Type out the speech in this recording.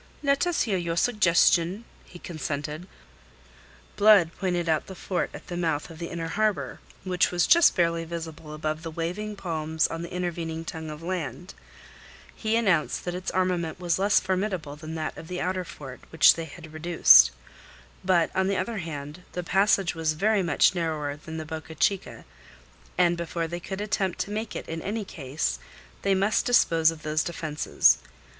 "Let us hear your suggestion," he consented. Blood pointed out the fort at the mouth of the inner harbour, which was just barely visible above the waving palms on the intervening tongue of land. He announced that its armament was less formidable than that of the outer fort, which they had reduced; but on the other hand, the passage was very much narrower than the Boca Chica, and before they could attempt to make it in any case, they must dispose of those defences.